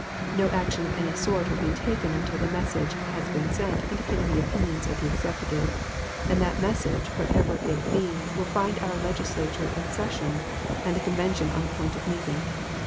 No action of any sort will be taken until the message has been sent indicating the opinions of the Executive, and that message, whatever it be, will find our Legislature in session, and the convention on the point of meeting.